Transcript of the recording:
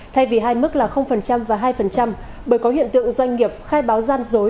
thay vì hai mức là và hai bởi có hiện tượng doanh nghiệp khai báo gian dối